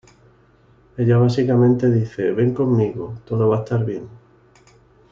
Ella básicamente dice: "Ven conmigo, todo va a estar bien".